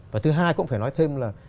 và thứ hai cũng phải nói thêm là